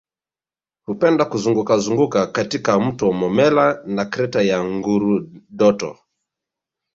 Hupenda kuzungukazunguka katika mto Momella na Kreta ya Ngurudoto